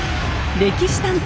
「歴史探偵」